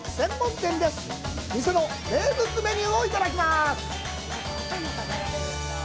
店の名物メニューをいただきます。